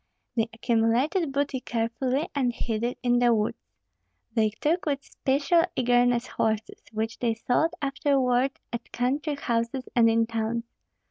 They accumulated booty carefully, and hid it in the woods. They took with special eagerness horses, which they sold afterward at country houses and in towns.